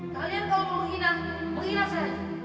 kalian kalau mau menghina penghina saya